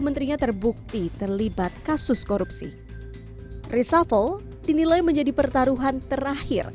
menterinya terbukti terlibat kasus korupsi reshuffle dinilai menjadi pertaruhan terakhir